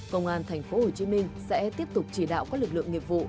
công an tp hcm sẽ tiếp tục chỉ đạo các lực lượng nghiệp vụ